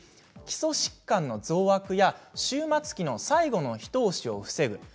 基礎疾患の増悪や終末期の最後の一押しを防ぐ